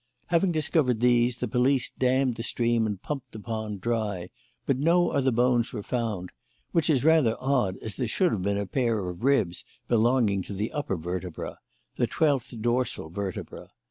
Having discovered these, the police dammed the stream and pumped the pond dry, but no other bones were found; which is rather odd, as there should have been a pair of ribs belonging to the upper vertebra the twelfth dorsal vertebra.